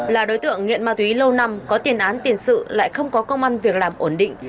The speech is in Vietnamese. là đối tượng nghiện ma túy lâu năm có tiền án tiền sự lại không có công an việc làm ổn định